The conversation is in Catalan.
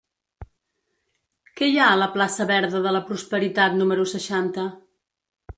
Què hi ha a la plaça Verda de la Prosperitat número seixanta?